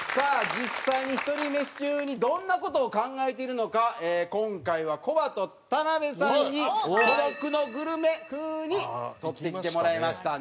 実際にひとり飯中にどんな事を考えているのか今回はコバと田辺さんに『孤独のグルメ』風に撮ってきてもらいましたんで。